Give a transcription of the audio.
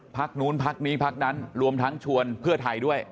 พักนู้นพักนี้พักนั้นรวมทั้งชวนเพื่อไทยด้วย